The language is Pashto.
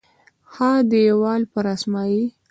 ها دیوال پر اسمایي